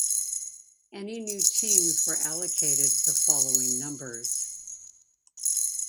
Any new teams were allocated the following numbers.